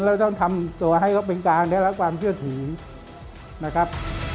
แล้วต้องทำตัวให้เขาเป็นกลางได้รับความเชื่อถือนะครับ